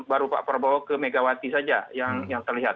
baru pak prabowo ke megawati saja yang terlihat